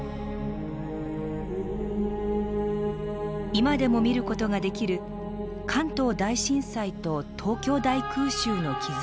今でも見る事ができる関東大震災と東京大空襲の傷跡。